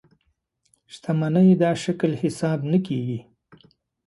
شتمنۍ دا شکل حساب نه کېږي.